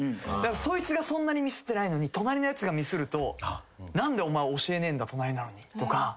そいつがそんなにミスってないのに隣のやつがミスると何でお前教えねえんだ隣なのにとか。